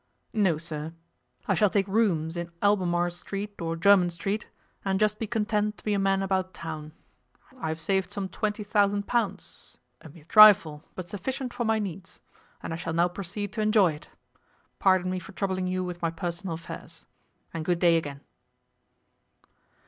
'No, sir. I shall take rooms in Albemarle Street or Jermyn Street, and just be content to be a man about town. I have saved some twenty thousand pounds a mere trifle, but sufficient for my needs, and I shall now proceed to enjoy it. Pardon me for troubling you with my personal affairs. And good day again.